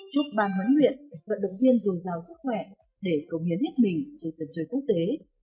chúc ban huấn luyện vận động viên dồi dào sức khỏe để cống hiến hết mình trên sân chơi quốc tế